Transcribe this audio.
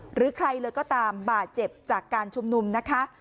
หรือใครเลยก็ตามบาดเจ็บจากการชุมนุมนะคะ